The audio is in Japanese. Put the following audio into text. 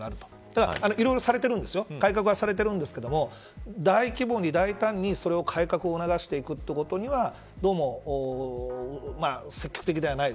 ただ、いろいろ改革はされてるんですけど大規模に大胆に改革を促していくということにはどうも積極的ではない。